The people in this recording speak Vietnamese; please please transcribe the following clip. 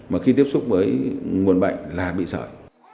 mà khi tiếp xúc với nguồn bệnh là bị sởi